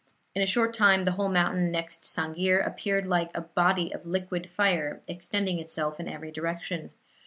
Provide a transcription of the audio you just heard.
In short time the whole mountain next Sang'ir appeared like a body of liquid fire, extending itself in every direction.